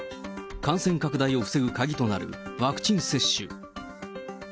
感染拡大を防ぐ鍵となるワクチン接種。